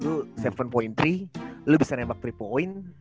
lu tujuh tiga lu bisa nembak tiga point